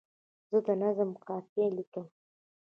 زه د نظم قافیه لیکم.